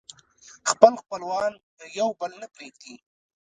خپل خپلوان يو بل نه پرېږدي